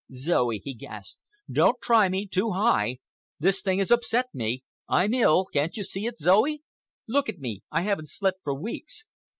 "Zoe," he gasped, "don't try me too high. This thing has upset me. I'm ill. Can't you see it, Zoe? Look at me. I haven't slept for weeks.